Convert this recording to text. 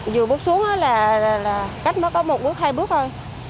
vừa bước xuống là cách nó có một bước hai bước thôi